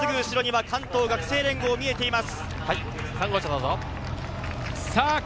すぐ後ろには関東学生連合が見えています。